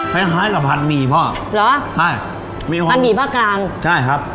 ห้ายหายกับผัดหมีพ่อเหรอใช่อันนี้ผ้าการใช่ครับ